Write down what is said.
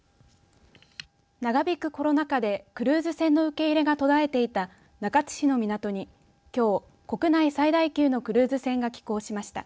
長引くコロナ禍でクルーズ船の受け入れが途絶えていた中津市の港にきょう国内最大級のクルーズ船が寄港しました。